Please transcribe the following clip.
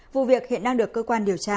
vụ việc hiện đang được cơ quan điều tra